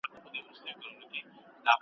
چا پیران اوچا غوثان را ننګوله .